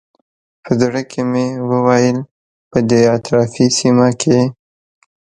په زړه کې مې وویل په دې اطرافي سیمه کې.